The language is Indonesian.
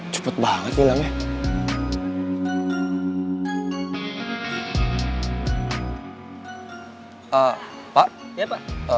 cepet banget hilangnya